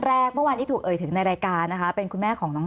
แรกเมื่อวานที่ถูกเอ่ยถึงในรายการนะคะเป็นคุณแม่ของน้อง